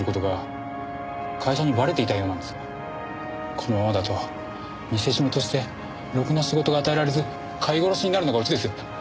このままだと見せしめとしてろくな仕事が与えられず飼い殺しになるのが落ちです。